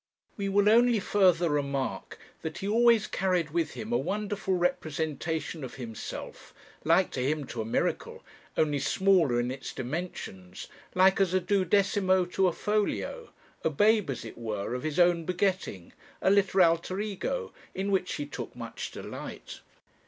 "We will only further remark that he always carried with him a wonderful representation of himself, like to him to a miracle, only smaller in its dimensions, like as a duodecimo is to a folio a babe, as it were, of his own begetting a little alter ego in which he took much delight.